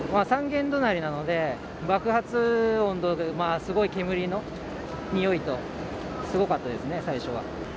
３軒隣なので、爆発音とか、すごい煙のにおいとすごかったですね、最初は。